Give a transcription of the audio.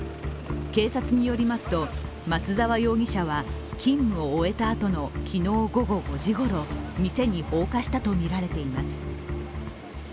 警察によりますと、松沢容疑者は勤務が終えたあとの昨日午後５時ごろ、店に放火したとみられています。